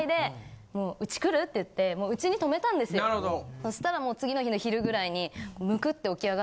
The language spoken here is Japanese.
そしたらもう次の日の昼ぐらいに。